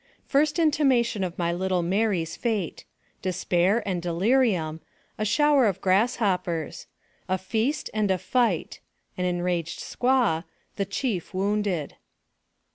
FIRST INTIMATION OF MY LITTLE MARY'S FATE DESPAIR AKD DELI RIUM A SHOWER OF GRASSHOPPERS A FEAST AND A FIGHT AN ENRAGED SQUAW THE CHIEF WOUNDED.